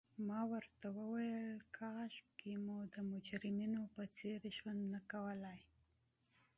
ما ورته وویل: کاشکي مو د مجرمینو په څېر ژوند نه کولای.